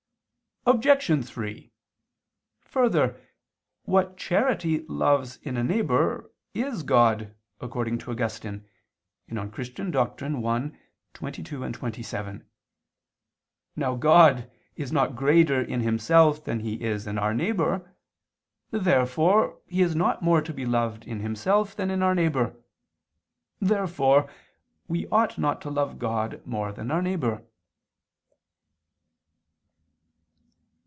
Obj. 3: Further, what charity loves in a neighbor, is God, according to Augustine (De Doctr. Christ. i, 22, 27). Now God is not greater in Himself than He is in our neighbor. Therefore He is not more to be loved in Himself than in our neighbor. Therefore we ought not to love God more than our neighbor.